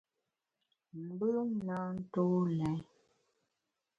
Mbùm na ntô lèn.